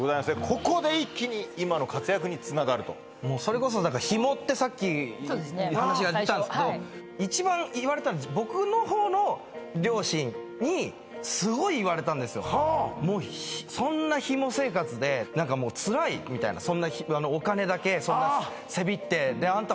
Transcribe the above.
ここで一気に今の活躍につながるとそれこそヒモってさっき話が出たんですけど一番言われたの僕のほうの両親にすごい言われたんですよはあそんなヒモ生活で何かもうつらいみたいなお金だけそんなせびってであんた